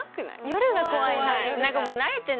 夜が怖い。